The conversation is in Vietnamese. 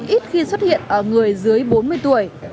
ít khi xuất hiện ở người dưới bốn mươi tuổi